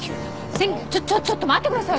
センちょちょっと待ってください。